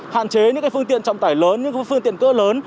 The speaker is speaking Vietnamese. hạn chế những phương tiện trọng tải lớn những phương tiện cỡ lớn